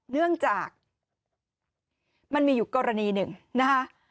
เนื่องจากมันมีอยู่กรณีหนึ่งนะคะ